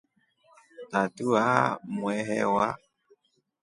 Tatu aa mwehewa.